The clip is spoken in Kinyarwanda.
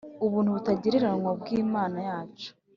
ubuntu butagereranywa bw’Imana yacu